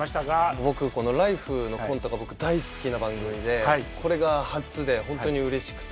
僕この「ＬＩＦＥ！」のコントが僕大好きな番組でこれが初で本当にうれしくて。